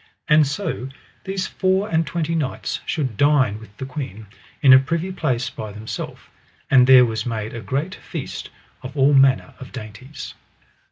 And so these four and twenty knights should dine with the queen in a privy place by themself, and there was made a great feast of all manner of dainties.